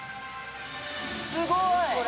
・すごい！